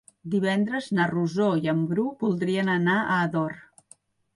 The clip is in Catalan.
Divendres na Rosó i en Bru voldrien anar a Ador.